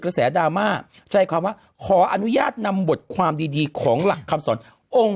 กระแสดราม่าใจความว่าขออนุญาตนำบทความดีของหลักคำสอนองค์